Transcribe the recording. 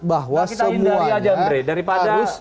bahwa semuanya harus